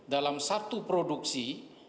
dalam satu produksi